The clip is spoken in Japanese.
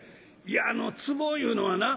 「いやあのつぼいうのはな